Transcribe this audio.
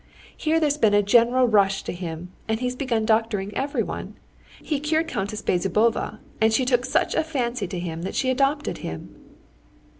Here there's been a general rush to him, and he's begun doctoring everyone. He cured Countess Bezzubova, and she took such a fancy to him that she adopted him."